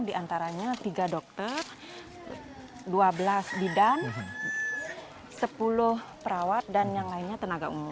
di antaranya tiga dokter dua belas bidan sepuluh perawat dan yang lainnya tenaga umum